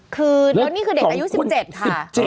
คือแล้วนี่คือเด็กอายุ๑๗ค่ะ